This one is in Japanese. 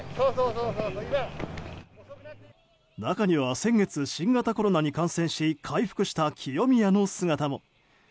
中には先月新型コロナに感染し回復した清宮の姿も。